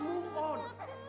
mau sampai kapan